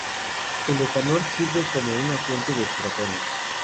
El etanol sirve como una fuente de protones.